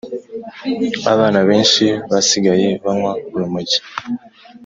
Abana benshi basigaye banywa urumogi